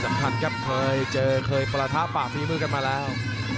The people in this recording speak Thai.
สำคัญครับเคยเจอเคยประทะปากฝีมือกันมาแล้ว